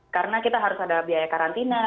karena kita harus ada biaya karantina